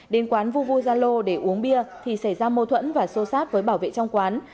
đến quán vuvuzalo để uống bia thì xảy ra mâu thuẫn và xô sát với bảo vệ trong quán